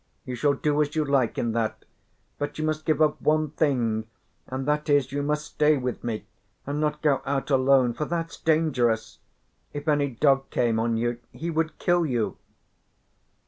You shall do as you like in that, but you must give up one thing, and that is you must stay with me and not go out alone, for that is dangerous. If any dog came on you he would kill you."